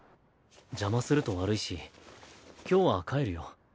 邪魔すると悪いし今日は帰るよ。